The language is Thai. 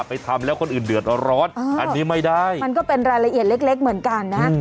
ทำแล้วคนอื่นเดือดร้อนอันนี้ไม่ได้มันก็เป็นรายละเอียดเล็กเหมือนกันนะ